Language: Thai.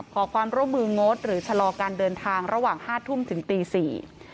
ขอความร่วมมืองดหรือชะลอการเดินทางระหว่างห้าทุ่มถึงตีสี่